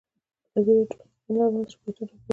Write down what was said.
ازادي راډیو د ټولنیز بدلون اړوند شکایتونه راپور کړي.